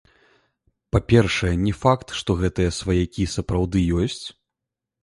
Па-першае, не факт, што гэтыя сваякі сапраўды ёсць.